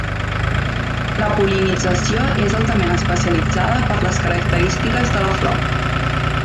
La pol·linització és altament especialitzada per les característiques de la flor.